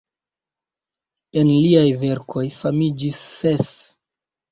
El liaj verkoj famiĝis ses.